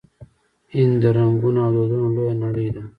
هند د رنګونو او دودونو لویه نړۍ ده.